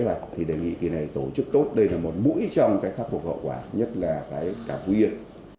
và đề nghị kỳ này tổ chức tốt đây là một mũi trong khắc phục hậu quả nhất là cả quyền